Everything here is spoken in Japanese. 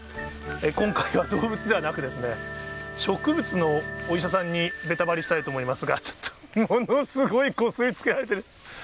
今回は動物ではなく、植物のお医者さんに、ベタバリしたいと思いますが、ちょっと、ものすごいこすりつけられてる。